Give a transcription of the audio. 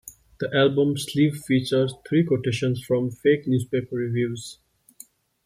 The album sleeve features three quotations from fake newspaper reviews.